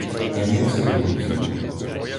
А він це любить.